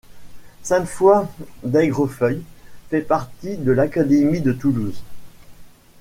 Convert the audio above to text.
Sainte-Foy-d'Aigrefeuille fait partie de l'académie de Toulouse.